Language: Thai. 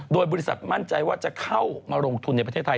โดยบริษัทมั่นใจว่าจะเข้ามาลงทุนในประเทศไทย